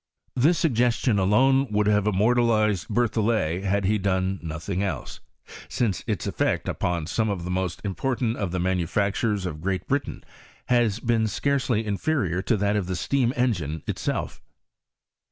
This suggestion alone would have immortalized Berthollet had he done nothing else ; since its effect upon some of the moat important of the manufactures of Great Britain has been scarcely inferior to that of the steam engine itself.